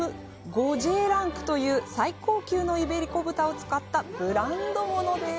５Ｊランクという最高級のイベリコ豚を使ったブランド物です。